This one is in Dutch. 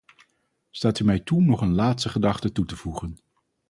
Staat u mij toe nog een laatste gedachte toe te voegen.